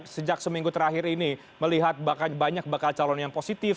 sejak seminggu terakhir ini melihat banyak bakal calon yang positif